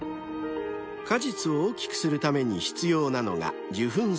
［果実を大きくするために必要なのが受粉作業］